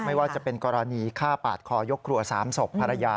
ไม่ว่าจะเป็นกรณีฆ่าปาดคอยกครัว๓ศพภรรยา